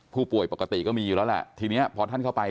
ผู้ป่วยปกติก็มีอยู่แล้วแหละทีนี้พอท่านเข้าไป